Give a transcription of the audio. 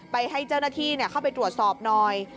ให้เจ้าหน้าที่เข้าไปตรวจสอบหน่อย